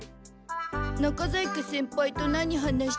中在家先輩と何話してたの？